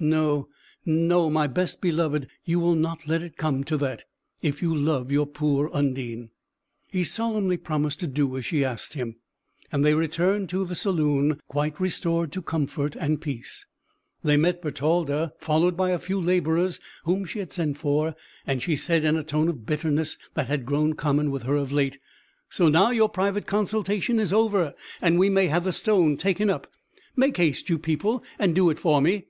No, no, my best beloved; you will not let it come to that, if you love your poor Undine." He solemnly promised to do as she asked him, and they returned to the saloon, quite restored to comfort and peace. They met Bertalda, followed by a few labourers whom she had sent for, and she said in a tone of bitterness that had grown common with her of late, "So, now your private consultation is over, and we may have the stone taken up. Make haste, you people, and do it for me."